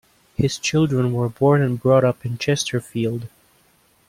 His children were born and brought up in Chesterfield.